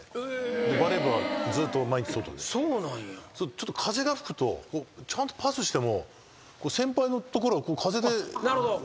ちょっと風が吹くとちゃんとパスしても先輩のところ風で。